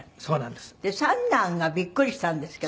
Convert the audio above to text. で三男がびっくりしたんですけど。